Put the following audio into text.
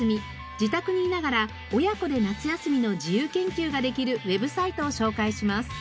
自宅にいながら親子で夏休みの自由研究ができるウェブサイトを紹介します。